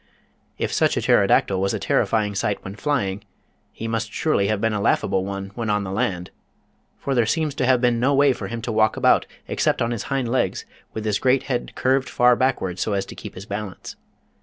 If such a Pterodactyl was a terrifying sight when flying, he must surely have been a laughable one when on the land. For there seems to have been no way for him to walk about except on his hind legs, with his great head curved far backward so as to keep his balance.